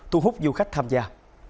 thu hút du khách tham gia